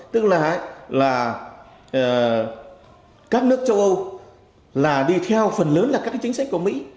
tức là các nước châu âu là đi theo phần lớn là các chính sách của mỹ